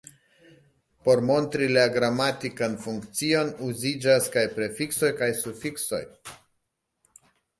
Por montri la gramatikan funkcion, uziĝas kaj prefiksoj kaj sufiksoj.